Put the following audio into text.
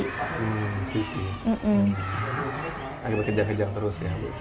akibat kejang kejang terus ya